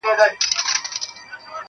بې څښلو مي مِزاج د مستانه دی,